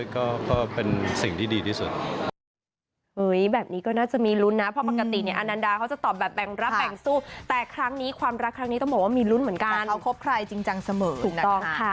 ก็เป็นสิ่งที่ดีที่สุด